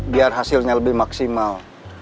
biar hasilnya lebih maksimal